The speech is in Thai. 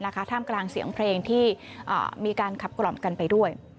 ท่ามกลางเสียงเพลงที่มีการขับกล่อมกันไปด้วย